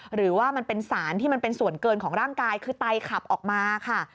หรือว่ามันเป็นสารที่มันเป็นส่วนเกินของร่างกายคือไตขับออกมาค่ะ